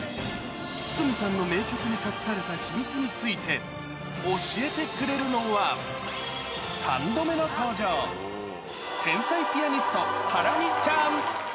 筒美さんの名曲に隠された秘密について、教えてくれるのは、３度目の登場、天才ピアニスト、ハラミちゃん。